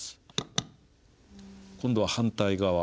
今度は反対側。